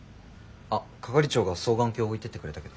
あっ係長が双眼鏡置いていってくれたけど。